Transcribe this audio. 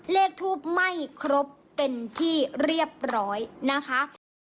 เลขทูปไม่ครบเป็นที่เรียบร้อยนะคะ